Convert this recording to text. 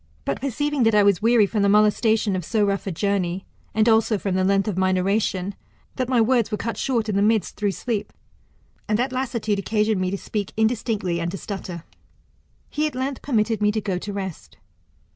But perceiving that I was weary from the molestation of so rough a journey, and also from the length of my narration, that my words were cut short in the midst through sleep ; and that lassitude occasioned me to speak indistinctly and to stutter, he at length pernitted me to go to rest.